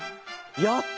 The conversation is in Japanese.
やった！